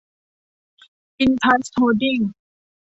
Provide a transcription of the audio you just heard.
อินทัช โฮลดิ้งส์